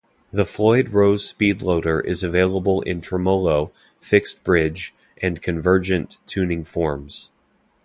The Floyd Rose SpeedLoader is available in Tremolo, Fixed Bridge, and Convergent Tuning forms.